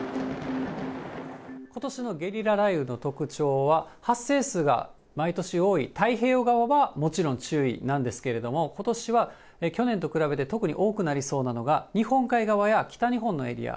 ことしのゲリラ雷雨の特徴は、発生数が毎年多い太平洋側はもちろん注意なんですけれども、ことしは去年と比べて、特に多くなりそうなのが、日本海側や北日本のエリア。